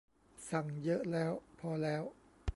สั่งเยอะแล้ว พอแล้ว